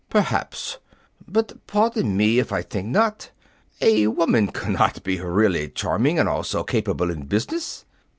"Perhaps but pardon me if I think not. A woman cannot be really charming and also capable in business."